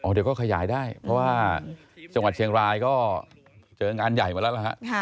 เดี๋ยวก็ขยายได้เพราะว่าจังหวัดเชียงรายก็เจองานใหญ่มาแล้วนะฮะ